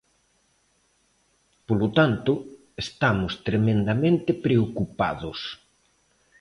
Polo tanto, estamos tremendamente preocupados.